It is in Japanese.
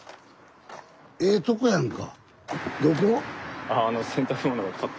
ええとこやんか。